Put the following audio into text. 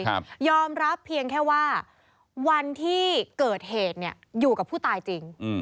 ยอมรับเพียงแค่ว่าวันที่เกิดเหตุเนี่ยอยู่กับผู้ตายจริงอืม